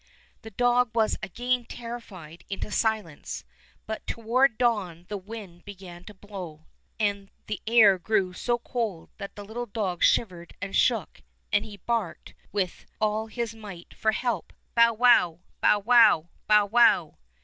The dog was again terrified into silence, but toward dawn the wind began to blow, and the air grew so cold that the little dog shivered and shook, and he barked with 115 Fairy Tale Bears all his might for help — "Bow wow, bow wow, bow wow!"